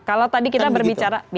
kalau tadi kita berbicara